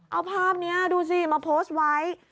เอาภาพนี้ดูสิมาโพสต์ไว้